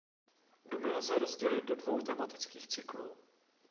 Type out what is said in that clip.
Dumy lze rozdělit do dvou tematických cyklů.